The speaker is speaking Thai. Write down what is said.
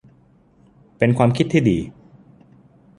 เป็นความคิดที่ดี